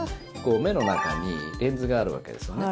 目の中にレンズがあるわけですね。